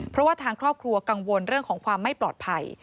เพราะว่าทางครอบครัวกังวลเรื่องของความไม่ปลอดภัย